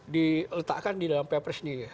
di letakkan di dalam ppres ini